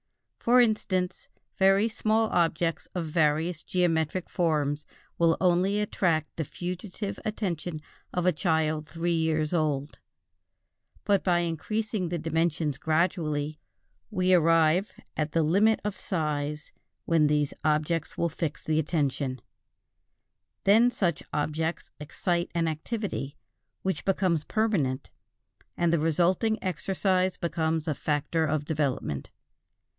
For instance, very small objects of various geometric forms will only attract the fugitive attention of a child of three years old; but by increasing the dimensions gradually, we arrive at the limit of size when these objects will fix the attention; then such objects excite an activity which becomes permanent, and the resulting exercise becomes a factor of development.